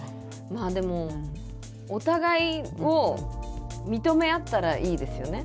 まあでもお互いを認め合ったらいいですよね。